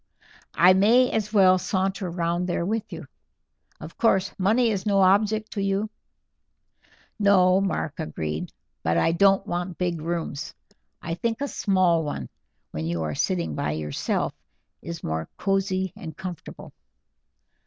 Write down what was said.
I may as well saunter round there with you. Of course money is no object to you?" "No," Mark agreed, "but I don't want big rooms. I think a small one, when you are sitting by yourself, is more cozy and comfortable."